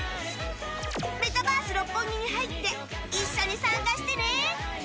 メタバース六本木に入って一緒に参加してね。